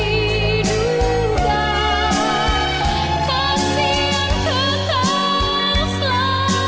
kami melakukan pertemuan pen zeigen datang hal di luar negara